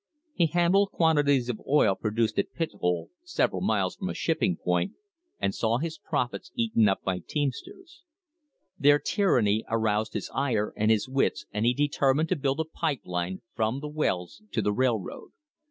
He handled quantities of oil produced at Pithole, several miles from a shipping point, and saw his profits eaten up THE HISTORY OF THE STANDARD OIL COMPANY by teamsters. Their tyranny aroused his ire and his wits and he determined to build a pipe line from the wells to the rail road.